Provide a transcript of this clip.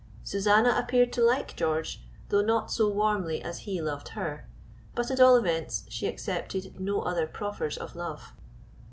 Susanna appeared to like George, though not so warmly as he loved her; but at all events she accepted no other proffers of love.